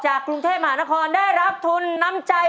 กรุงเทพมหานครได้รับทุนน้ำใจ